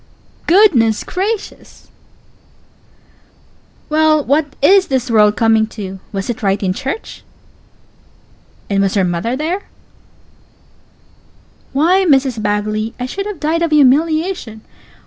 Pause. Good ness gracious! Pause. Well, what_ is_ this world coming to? Was it right in church? Pause. And was her _mother _there? Pause. Why, Mrs. Bagley, I should have died of humiliation!